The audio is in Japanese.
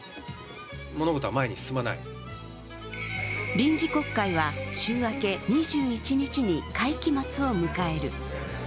臨時国会は週明け２１日に会期末を迎える。